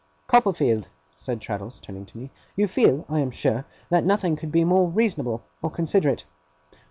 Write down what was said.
'Copperfield,' said Traddles, turning to me, 'you feel, I am sure, that nothing could be more reasonable or considerate.